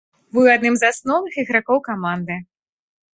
Быў адным з асноўны ігракоў каманды.